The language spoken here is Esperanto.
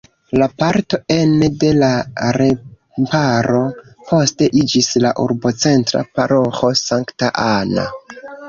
La parto ene de la remparo poste iĝis la urbocentra paroĥo Sankta Anna.